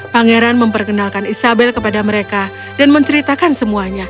pangeran memperkenalkan isabel kepada mereka dan menceritakan semuanya